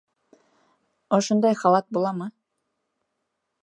Ошондай халат буламы?